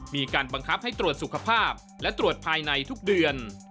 มีการบังคับให้ตรวจสุขภาพและตรวจภายในทุกเดือน